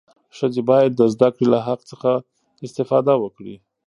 ښځې باید د زدهکړې له حق څخه استفاده وکړي.